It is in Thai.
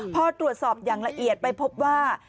พอตรวจสอบอย่างละเอียดไปพบว่า